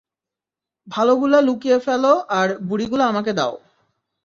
ভালোগুলা লুকিয়ে ফেলো আর বুড়ি গুলা আমাকে দাও!